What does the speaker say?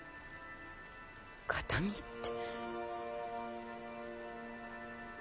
形見って。